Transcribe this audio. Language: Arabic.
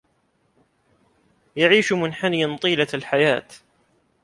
يعيش منحنياً طيلة الحياة